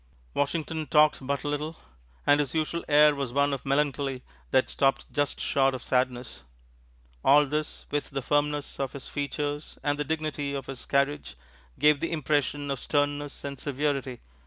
Washington talked but little, and his usual air was one of melancholy that stopped just short of sadness. All this, with the firmness of his features and the dignity of his carriage, gave the impression of sternness and severity.